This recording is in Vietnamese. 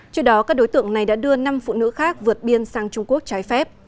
trước đó các đối tượng này đã đưa năm phụ nữ khác vượt biên sang trung quốc trái phép